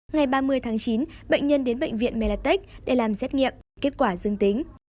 ngày ba mươi tháng chín bệnh nhân đến bệnh viện melatech để làm xét nghiệm kết quả dương tính